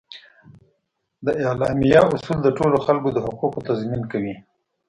د اعلامیه اصول د ټولو خلکو د حقوقو تضمین کوي.